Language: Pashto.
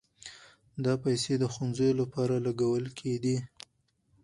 دا پيسې د ښوونځيو لپاره لګول کېدې.